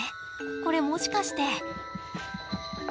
これもしかして？